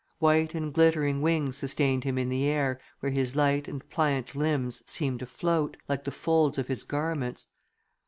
White and glittering wings sustained him in the air, where his light and pliant limbs seemed to float, like the folds of his garments.